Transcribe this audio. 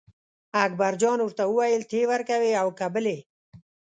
اکبرجان ورته وویل ته یې ورکوې او که بل یې.